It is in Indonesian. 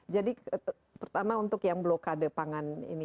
jadi pertama untuk yang blokade pangan ini